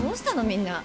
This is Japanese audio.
みんな。